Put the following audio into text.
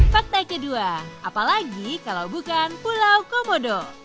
fakta kedua apalagi kalau bukan pulau komodo